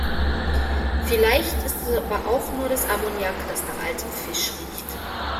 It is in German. Vielleicht ist es aber auch nur das Ammoniak, das nach altem Fisch riecht.